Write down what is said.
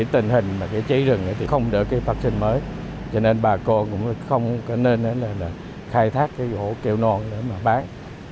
tình hình cháy rừng không đỡ phát sinh mới cho nên bà cô cũng không nên khai thét gỗ keo non để bán